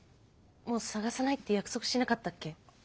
もう捜さないって約束しなかったっけ？